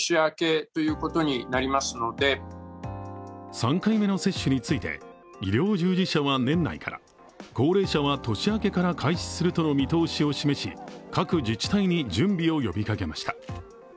３回目の接種について、医療従事者は年内から高齢者は年明けから開始するとの見通しを示し各自治体に準備を呼びかけました。